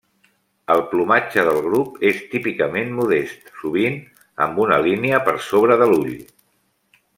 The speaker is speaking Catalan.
El plomatge del grup és típicament modest, sovint amb una línia per sobre de l'ull.